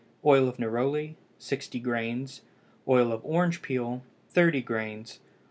Oil of neroli 60 grains. Oil of orange peel 30 grains.